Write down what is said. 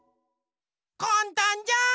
かんたんじゃん。